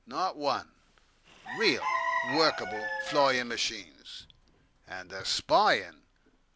Not one. Real, workable, flying machines. And the spying!